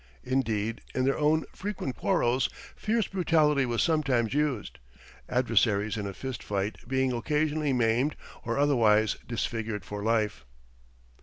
Indeed, in their own frequent quarrels fierce brutality was sometimes used, adversaries in a fist fight being occasionally maimed or otherwise disfigured for life.